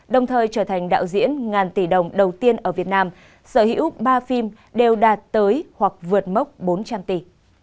đồng thời trở thành đạo diễn ngàn tỷ đồng đầu tiên ở việt nam sở hữu ba phim đều đạt tới hoặc vượt mốc bốn trăm linh tỷ